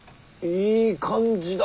いい感じだ。